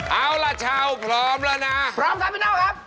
เอาละเช่าพร้อมแล้วนะพร้อมค่ะพี่น้องครับ